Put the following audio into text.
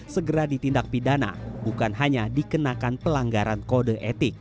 segera ditindak pidana bukan hanya dikenakan pelanggaran kode etik